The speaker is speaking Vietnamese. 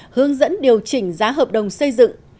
hướng dẫn điều chỉnh giá hợp đồng xây dựng